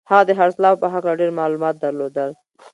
هغه د خرڅلاو په هکله ډېر معلومات درلودل